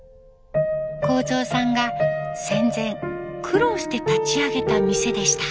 幸蔵さんが戦前苦労して立ち上げた店でした。